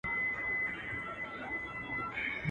لړۍ د اوښکو ګريوانه ته تلله.